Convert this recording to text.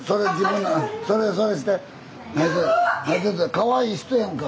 かわいい人やんか。